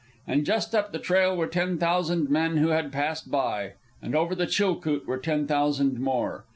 And just up the trail were ten thousand men who had passed by, and over the Chilcoot were ten thousand more.